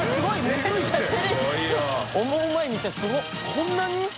こんなに？